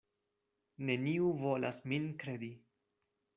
Neniu volas min kredi.